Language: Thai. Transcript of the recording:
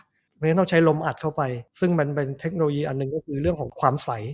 เพราะฉะนั้นต้องใช้ลมอัดเข้าไปซึ่งมันเป็นเทคโนโลยีอันหนึ่งก็คือเรื่องของความใส